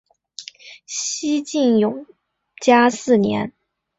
西晋永嘉四年。